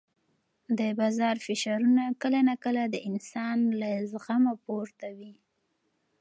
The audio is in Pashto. د بازار فشارونه کله ناکله د انسان له زغمه پورته وي.